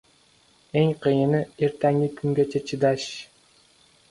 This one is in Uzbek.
Eng qiyini – ertangi kungacha chidash.